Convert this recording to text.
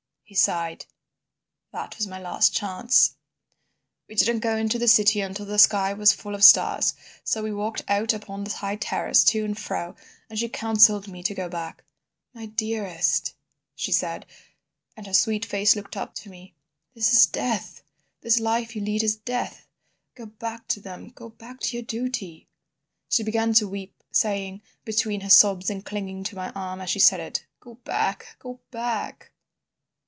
He sighed. "That was my last chance. "We didn't go into the city until the sky was full of stars, so we walked out upon the high terrace, to and fro, and—she counselled me to go back. "'My dearest,' she said, and her sweet face looked up to me, this is Death. This life you lead is Death. Go back to them, go back to your duty—' "She began to weep, saying, between her sobs, and clinging to my arm as she said it, 'Go back—Go back.